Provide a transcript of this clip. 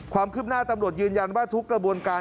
ความคืบหน้าตำรวจยืนยันว่าทุกกระบวนการ